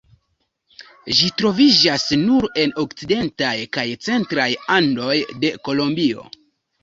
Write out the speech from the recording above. Ĝi troviĝas nur en okcidentaj kaj centraj Andoj de Kolombio.